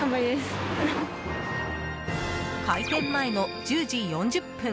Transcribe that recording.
開店前の１０時４０分。